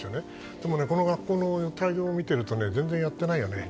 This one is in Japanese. でも、この学校の対応を見てると全然やっていないよね。